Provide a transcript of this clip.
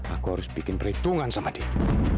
aku harus bikin perhitungan sama dia